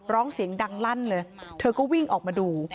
ร้องเสียงดังลั่นเลยเธอก็วิ่งออกมาดู